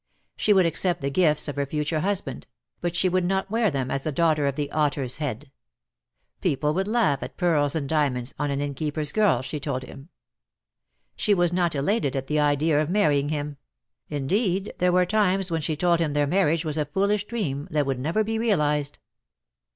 She would accept the gifts of her future husband; but she would not wear them as the daughter of the "Otter's Head." People would laugh at pearls and diamonds on an inn keeper's girl, she told him. She was not elated at the idea of marrying him; indeed there were times when she told him their marriage was a foolish dream, that would never be realised.